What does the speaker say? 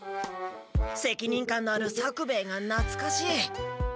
責任感のある作兵衛がなつかしい。